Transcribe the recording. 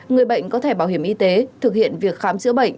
người bệnh có thẻ bảo hiểm y tế thực hiện việc khám chữa bệnh